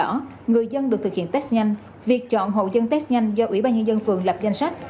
trong đó người dân được thực hiện test nhanh việc chọn hậu dân test nhanh do ủy ban nhân dân phường lập danh sách